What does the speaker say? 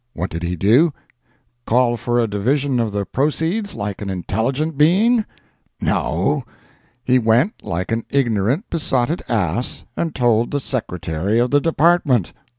What did he do?—call for a division of the proceeds, like an intelligent being? No! He went, like an ignorant, besotted ass, and told the Secretary of the Department!